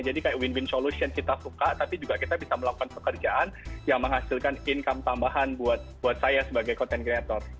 kayak win win solution kita suka tapi juga kita bisa melakukan pekerjaan yang menghasilkan income tambahan buat saya sebagai content creator